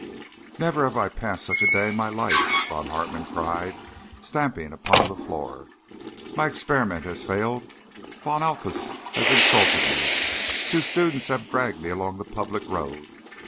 "Never have I passed such a day in my life," Von Hartmann cried, stamping upon the floor. "My experiment has failed. Von Althaus has insulted me. Two students have dragged me along the public road.